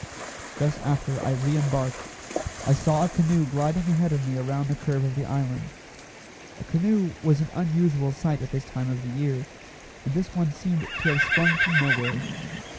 Just after I re embarked, I saw a canoe gliding ahead of me around the curve of the island. A canoe was an unusual sight at this time of the year, and this one seemed to have sprung from nowhere.